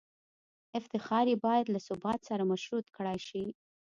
افتخار یې باید له ثبات سره مشروط کړای شي.